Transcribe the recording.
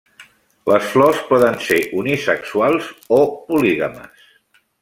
Les flors poden ser unisexuals o polígames.